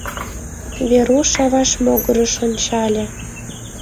Веруш аваж могырыш ончале.